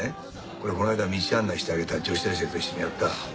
これこの間道案内してあげた女子大生と一緒にやったタコパ。